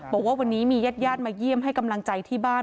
บอกว่าวันนี้มีญาติมาเยี่ยมให้กำลังใจที่บ้าน